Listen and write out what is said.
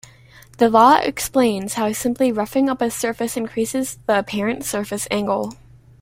The law explains how simply roughing up a surface increases the apparent surface angle.